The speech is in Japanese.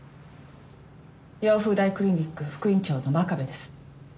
陽風台クリニック副院長の真壁です。